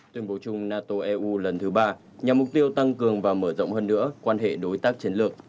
tuyên bố chung nato eu lần thứ ba nhằm mục tiêu tăng cường và mở rộng hơn nữa quan hệ đối tác chiến lược